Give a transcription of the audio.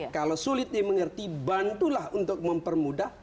kalau sulit dimengerti bantulah untuk mempermudah